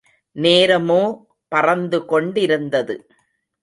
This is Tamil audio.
நேரமோ பறந்து கொண்டிருந்தது.